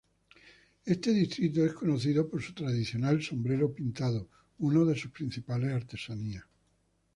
Este distrito es conocido por su tradicional sombrero pintado, una de sus principales artesanías.